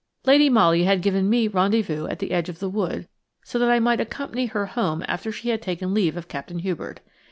Lady Molly had given me rendezvous at the edge of the wood, so that I might accompany her home after she had taken leave of Captain Hubert.